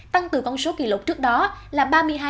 tăng từ con số kỷ lục trước đó là ba mươi hai một trăm linh bảy